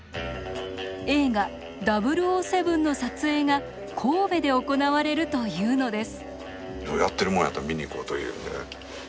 映画「００７」の撮影が神戸で行われるというのです。